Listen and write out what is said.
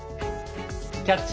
「キャッチ！